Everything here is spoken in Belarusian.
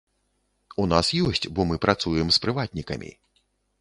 У нас ёсць, бо мы працуем з прыватнікамі.